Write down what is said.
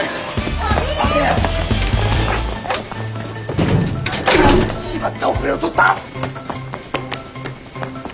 待て！しまった後れを取った！